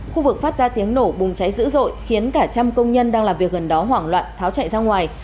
khu vực phát ra tiếng nổ bùng cháy dữ dội khiến cả trăm công nhân đang làm việc gần đó hoảng loạn tháo chạy ra ngoài